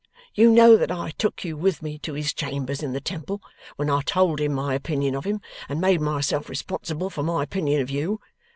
You know that I took you with me to his chambers in the Temple when I told him my opinion of him, and made myself responsible for my opinion of you.